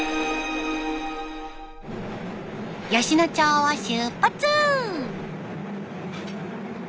吉野町を出発！